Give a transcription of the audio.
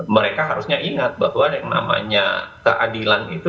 mereka harusnya ingat bahwa yang namanya keadilan itu